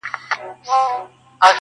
په کور کلي کي اوس ګډه واویلا وه؛